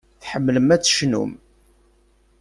Tḥemmlem ad tecnum.